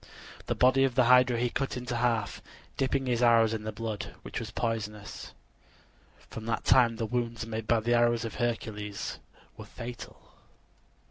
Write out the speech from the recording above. The body of the hydra he cut into half, dipping his arrows in the blood, which was poisonous. From that time the wounds made by the arrows of Hercules were fatal.